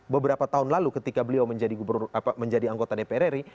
beberapa tahun lalu ketika beliau menjadi anggota dpr ri